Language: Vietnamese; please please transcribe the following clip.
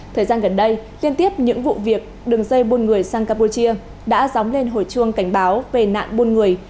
thời gian gần đây liên tiếp những vụ việc đường dây buôn người sang campuchia đã dóng lên hồi chuông cảnh báo về nạn buôn người